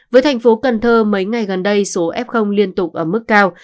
với thành phố cần thơ mấy ngày gần đây số f liên tục ở mức cao